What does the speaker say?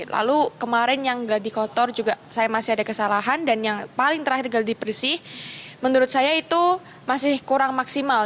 lalu kemarin yang geladi kotor juga saya masih ada kesalahan dan yang paling terakhir geladi bersih menurut saya itu masih kurang maksimal